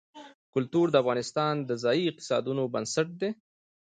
کلتور د افغانستان د ځایي اقتصادونو بنسټ دی.